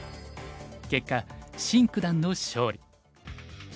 結果シン九段の勝利。